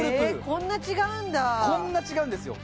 こんな違うんだこんな違うんですよ